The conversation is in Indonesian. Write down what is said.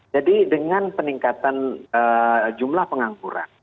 jadi dengan peningkatan jumlah pengangguran